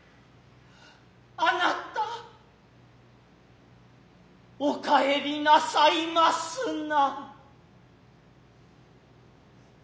貴方お帰りなさいますな。